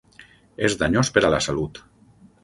És danyós per a la salut.